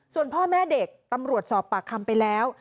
ส่วนพ่อแม่เด็กตำรวจสอบปากคำไปแล้ว